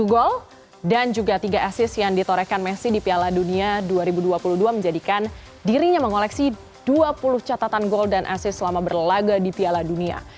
dua puluh gol dan juga tiga asis yang ditorehkan messi di piala dunia dua ribu dua puluh dua menjadikan dirinya mengoleksi dua puluh catatan gol dan asis selama berlaga di piala dunia